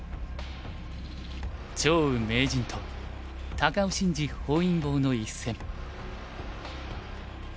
張栩名人と高尾紳路本因坊の一戦。